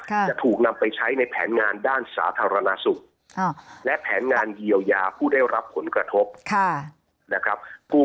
จะถูกนำไปใช้ในแผนงานด้านสาธารณสุขและแผนงานเยียวยาผู้ได้รับผลกระทบนะครับ